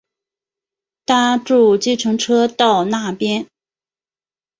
搭著计程车到那边